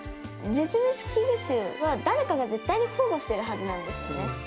絶滅危惧種は誰かが絶対に保護してるはずなんですよね。